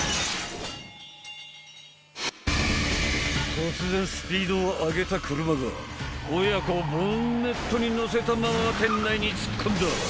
突然スピードを上げた車が親子をボンネットにのせたまま店内に突っ込んだ！